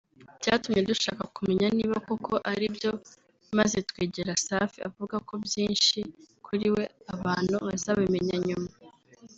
Byatumye dushaka kumenya niba koko ari byo maze twegera Safi avuga ko byinshi kuri we abantu bazabimenya nyuma